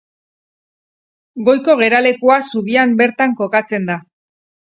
Goiko geralekua zubian bertan kokatzen da.